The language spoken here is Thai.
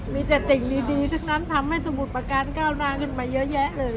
มีแต่สิ่งดีทั้งนั้นทำให้สมุทรประการก้าวหน้าขึ้นมาเยอะแยะเลย